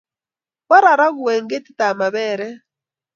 Kwa raragu eng' ketit ab maperek